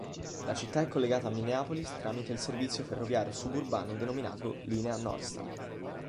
La città è collegata a Minneapolis tramite il servizio ferroviario suburbano denominato Linea Northstar.